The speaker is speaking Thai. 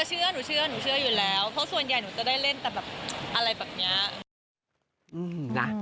เชื่อหนูเชื่อหนูเชื่ออยู่แล้วเพราะส่วนใหญ่หนูจะได้เล่นแต่แบบอะไรแบบนี้